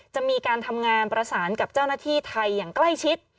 จะมีการทำงานประสานกับเจ้าหน้าที่ไทยอย่างใกล้ชิด